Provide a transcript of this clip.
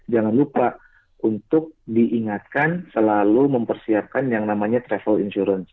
jangan lupa untuk diingatkan selalu mempersiapkan yang namanya travel insurance